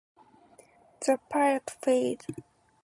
The plot failed.